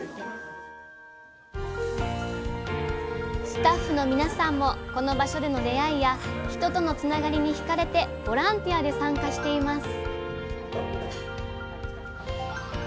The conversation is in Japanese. スタッフの皆さんもこの場所での出会いや人とのつながりに引かれてボランティアで参加しています